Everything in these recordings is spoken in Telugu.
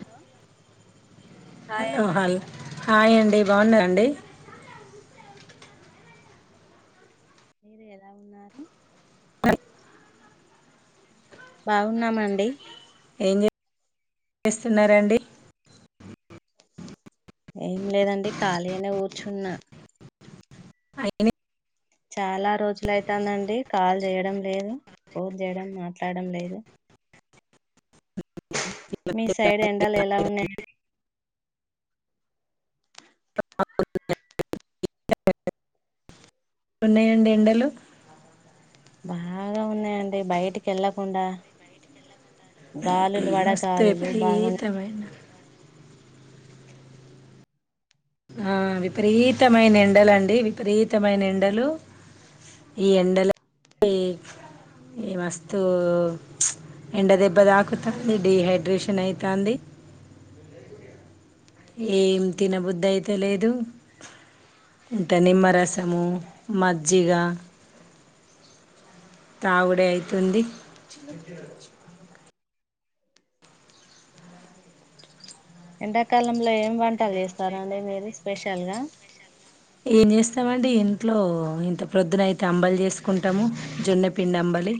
హలో హాయ్ హలో అండి హల్ హాయ్ అండి బాగున్నారా అండి బా మీరు ఎలా ఉన్నారు బాగున్నామండి ఏం చేస్తున్నారాండి ఏం లేదండి ఖాళీగనే కూర్చున్నా అయినే చాలా రోజులు అయితుందండి కాల్ చేయడం లేదు ఫోన్ చేయడం మాట్లాడడం లేదు మీ సైడ్ ఎండాల్ ఎల్ లా ఉన్నాయండి [unintelligible] ఉన్నాయండి ఎండలు బాగా ఉన్నాయి అం అంటే బయటికి ఎలా కుండా గాలులు వడ మస్తు గాలులు బాగున్నా విపరీతమైన ఆ విపరీతమైన ఎండలండి విపరీతమైన ఎండలు ఈ ఎండల ఈ మస్తు ఎండ దెబ్బ తాకుతంది డిహైడ్రేషన్ అయితాంది ఏం తినబుధ్ధి అయితలేదు ఇంత నిమ్మరసము మజ్జిగ తాగుడే అయితుంది ఎండాకాలంలో ఏమి వంటలు చేస్తారండి మీరు స్పెషల్ గా ఏం చేస్తామండి ఇంట్లో ఇంత ప్రొద్దునయితే అంబలు చేసుకుంటాము జొన్నపిండి అంబలి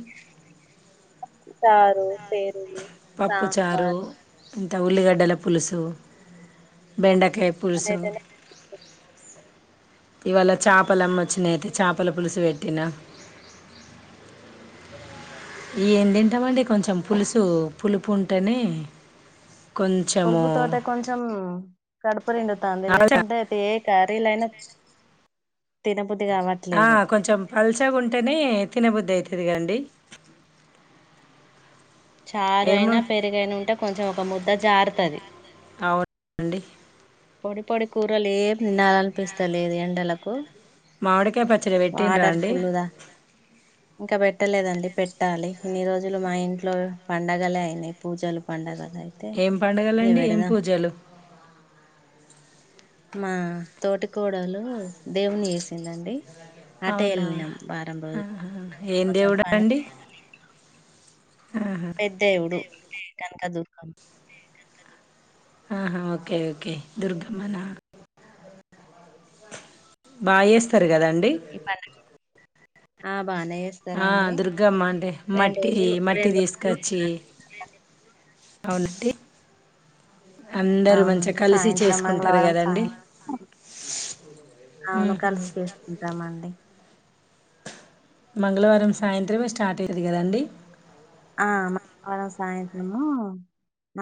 చారు పెరుగు పప్పు చారు సాంబార్ ఉల్లిగడ్డల పులుసు బెండ కాయ్ పులుసు అదైతేనే ఇవాళ చేపలు అమ్మ వచ్చినయితే చేపల పులుసు పెట్టినా ఏం తింటామండి కొంచెం పులుసు పులుపు ఉంటేనే కొంచెము పులుపుతోటే కొంచెం కడపు పూ నిండు తాంది లేకుంటే కర్రీలైనా తిన ఆ కొంచెం పల్చాగా ఉంటేనే తినబుద్దు అయిత ఇదిగండి చారు అయినా పెరుగైనా ఉంటే కొంచెం ఒక ముద దా జారుతది అవునండి పొడి పొడి కూరలు ఏ తీనాలనిపిస్తలేదు ఎండలకు పో మామిడికాయ పచ్చడి పెట్టిన్రా అండి ఇంకా పెట్టలేదండి పెట్టాలి ఇన్ని రోజులు మా ఇంట్లో పండగలే అయినాయి పూజలు పండగలు అయితే ఏం పండుగలు ఇగ అండి ఏం పెడదాం పూజలు మా తోటికోడలో దేవుని చుసిందండి అవునా ఆహా ఏం కొంచెం దేవుడు అండి ఆహా పెద్దేవుడు అంటే తను అదు కం ఆహా ఓకే ఓకే దుర్గమ్మనా బాగా చేస్త ది కదండి ఈ పండగ ఆ బానే ఆ చేస్తారండి దుర్గమ్మ అంటే రెండు మట్టి రోజులు మట్టి రెండు తీసకచ్చి రోజులు అవునండి అందరూ అవునండి మంచిగా కలిసి సాయంత్రం చేసుకుంటారు మంగళవారం కదండి సాయంత్రం అవును మ్మ్హ. కలిసి చేసుకుంటామండి మంగళవారం సాయంత్రమే స్టార్ట్ అయ్యేది కదండి ఆ మంగళవారం సాయంత్రము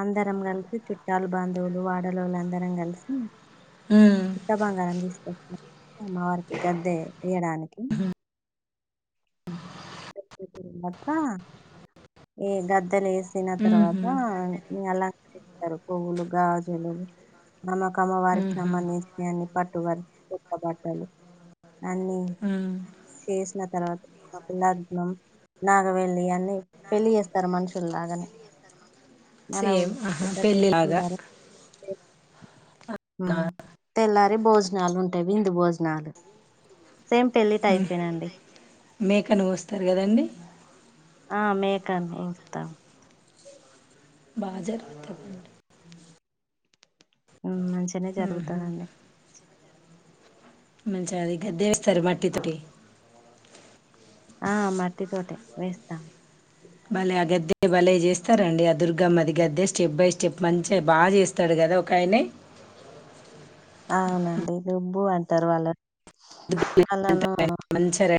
అందరం కలిసి చుట్టాలు బాంధువులు వాడలో వాళ్ళు అందరం కలిసి మ్మ్. ఇంత బాంగరం అమ్మవారికి గద్దె తీయడానికి మాత ఏ గద్దలే సిన మ్మ్హ. తర్వాత అలా పువ్వులు గాజులు అమ్మ వారికి మ్మ్హ. సంబంధించిన అన్ని పట్ అటువంటి పదార్థాలు అన్ని మ్మ్. చేసిన తర్వాత [unintelligible] నాగవెళ్ళి అన్ని పెళ్ళి చేస్తారు మనుషులులాగానే సేమ్ ఆహా పెళ్ళిలాగా తెల్లారి భోజనాలు ఉంటావి విందు భోజనాలు సేమ్ పెళ్లి టైపేనండి మేకను కోస్తారు కదండి ఆ మేకాను కోస్తాం బా జరుగుతాదండి ఉమ్ మంచి గనే మ్మ్హ. జరుగుతాధండి మచగది గద్దే సరి మట్టితోటి ఆ మట్టి తోటే వేస్తాము భలే ఆ గద్దె భలే చేస్తారండి ఆ దుర్గమ్మది గద్దె స్టెప్ బై స్టెప్ మంచిగా బాగా చేస్తాడు కదా ఒకయనే అవునండి బు అంటారు వాళ్ళ వాళ్ళను [unintelligible] మంచర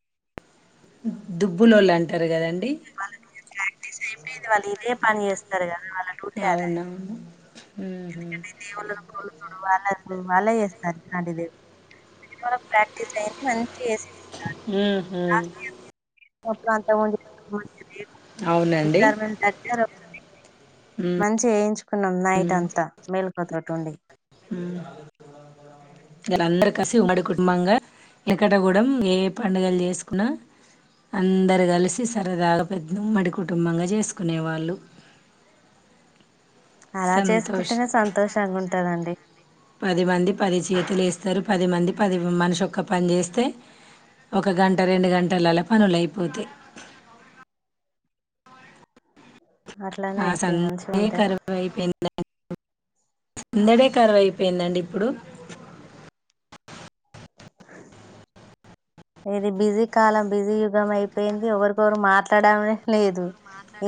దుబ్బులోళు అంటారు కదండి వాళ్ళకి ప్రాక్టీస్ అయిపోయిది వాళ్ళు ఇదే పని చేస్తారు గా అవునవును ఉ హు దేవుళ్లను [unintelligible] వాళ్ళకు వాళ్ళే చేస్తారు ఇట్లాంటిది చాలా ప్రాక్టీస్ అయింది మంచి సి మ్మ్. మొత్తం అంతమంది మన్ అవునండి ఈసారి మేము గట్టిగా మంచి వేయించుకున్నాం నైట్ అంతా మేల్ కాకండి హ్మ్మ్ మీరు అందరూ కలిసి ఉమ్మడి కుటుంబంగా ఎకట కూడా ఏ పండుగలు చేసుకున్నా అందరు కలిసి సరదాగా పెద్ద ఉమ్మడి కుటుంబంగా చేసుకునేవాళ్ళు అలా సంతోష్ చేసుకుంటేనే సంతోషంగా ఉంటదండి పది మంది పది చేతులు వేస్తారు పది మంది పది మనిషిక్క పని చేస్తే ఒక గంట రెండు గంటలలా పనులు అయిపోతాయి. అట్లానే ఆ అయితే మంచిగా సంధే ఉంటాయి కరువైప సందడే కరువై అయిపోయిందండి ఇప్పుడు ఇది బిజీ కాలం బిజీ యుగం అయిపోయింది ఎవరికొవరు మాట్లాడమ లేదు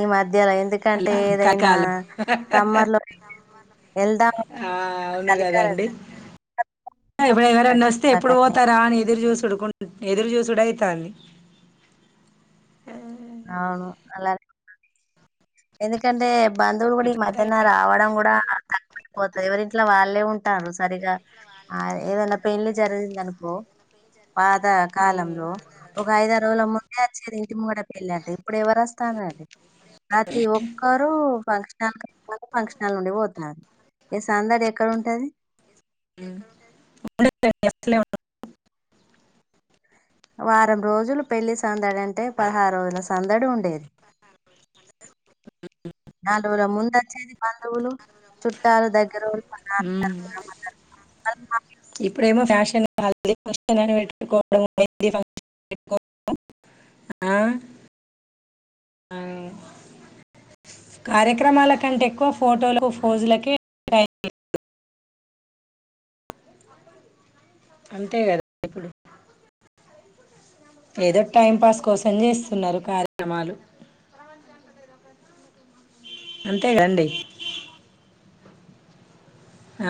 ఈ మధ్యలో ఎందుకంటే ఏదైనా సమ్మర్ లో వెళ్దాం కలికాలం అంటే సమ్మర్ లో ఎదురు చూసుడయితాన్ని అవును అలా ఎందుకంటే బంధువులు కూడా ఈ మధ్యన రావడం కూడా తక్కుపోతురు ఎవరి ఇట్లా వాళ్ళే ఉంటారు సరిగా ఆ ఏదనా పెళ్లి జరిగిందనుకో పాత కాలంలో అట్లా ఒక ఐద రోజుల ముందు ఇచ్చారు ఇంటి ముంగడ పెళ్ళి అంటే ఇప్పుడు ఎవరు వస్తన్నారండి ప్రతి ఒక్కరుూ ఫంక్షన్ ఫంక్షన్ల్ నుండి పోతున్నా ఈ సందడి ఎక్కడ ఉంటది హ్మ్మ్ [inaudible] వారం రోజులు పెళ్లి సందడి అంటే పదహారు రోజుల సందడి ఉండేది నాలుగుోజల ముందు వచ్చేది బంధువులు చుట్టాలు దగ్గరోలు హ్మ్మ్ అనా ఇప్పుడేమో ఫ్యాషన్ అ పెట్కో కార్యక్రమాల కంటే ఎక్కువ ఫోటోలు ఫజులక అంతే కదా ఇప్పుడు ఏదో టైం పాస్ కోసం చేస్తున్నారు కార్యక్రమాలు అంతేగాండి ఆ